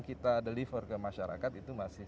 kita deliver ke masyarakat itu masih